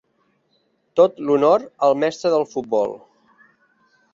Tot l'honor al mestre del futbol!